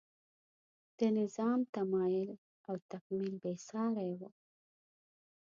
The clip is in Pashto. د نظام تمایل او تکمیل بې سارۍ و.